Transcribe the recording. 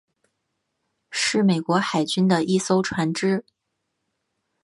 是美国海军的一艘船只。